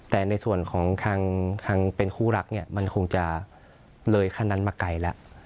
แต่ในส่วนของทางเป็นคู่รักมันคงจะเลยขนันมาไกลละ